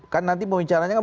kan nanti pembicaraannya kan